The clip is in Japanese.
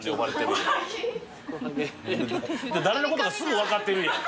誰のことかすぐ分かってるやん。